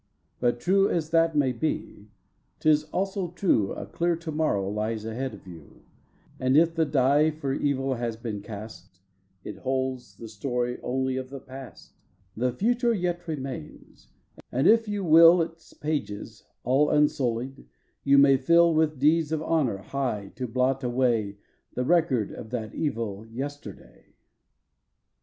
But true as that may be tis also true A clear to morrow lies ahead of you, And if the die for evil has been cast It holds the story only of the past. The future yet remains, and if you will Its pages, all unsullied, you may fill With deeds of honor high to blot away The record of that evil yesterday.